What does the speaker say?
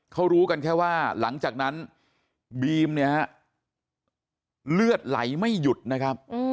เขารู้กันแค่ว่าหลังจากนั้นบีมเนี่ยฮะเลือดไหลไม่หยุดนะครับ